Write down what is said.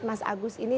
mas agus ini